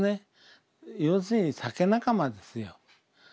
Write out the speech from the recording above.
要するに酒仲間ですよ。